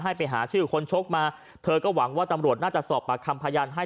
ให้ไปหาชื่อคนชกมาเธอก็หวังว่าตำรวจน่าจะสอบปากคำพยานให้